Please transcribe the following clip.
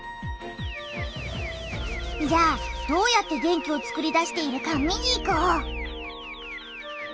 じゃあどうやって電気をつくり出しているか見に行こう。